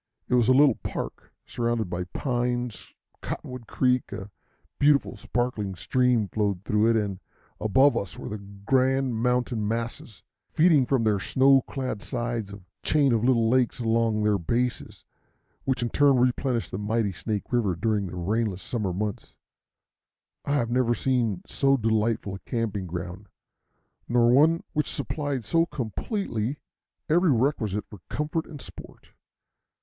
It was in a little park surrounded by pines. Cottonwood Creek, a beautiful sparkling stream, flowed through it, and above us were the grand mountain masses, feeding from their snow clad sides the chain of little lakes along their bases, which in turn replenish the mighty Snake River during all the rainless summer months. I have never seen so delightful a camping ground, nor one which supplied so completely every requisite for comfort and sport.